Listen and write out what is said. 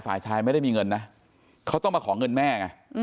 ฝ่ายชายไม่ได้มีเงินนะเขาต้องมาขอเงินแม่ไง